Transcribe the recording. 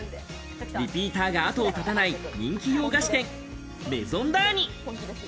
リピーターが後を絶たない人気洋菓子店、メゾン・ダーニ。